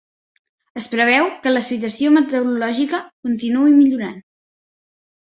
Es preveu que la situació meteorològica continuï millorant